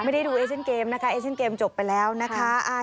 ไม่ได้ดูเอเชียนเกมนะคะเอเชียนเกมจบไปแล้วนะคะ